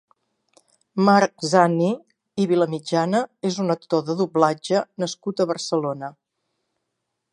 Marc Zanni i Vilamitjana és un actor de doblatge nascut a Barcelona.